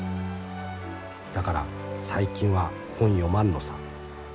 だから最近は本読まんのさ。